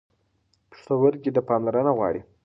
پښتورګي پاملرنه غواړي.